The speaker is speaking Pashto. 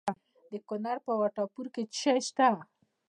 د کونړ په وټه پور کې څه شی شته؟